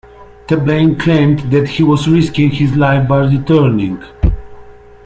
Thabane claimed that he was risking his life by returning.